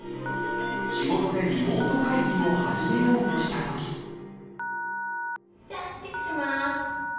仕事でリモート会議を始めようとしたときじゃあチェックします。